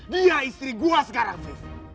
dia istri gue sekarang sih